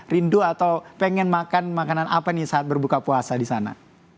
rindu atau pengen makan makanan apa nih saat berbuka puasa di sana